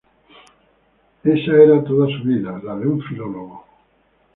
Esa era toda su vida: la de un filólogo.